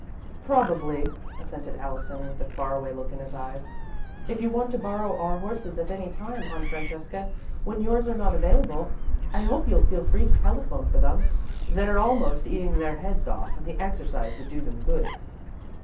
"Probably," assented Allison, with a faraway look in his eyes. "If you want to borrow our horses at any time, Aunt Francesca, when yours are not available, I hope you'll feel free to telephone for them. They're almost eating their heads off and the exercise would do them good."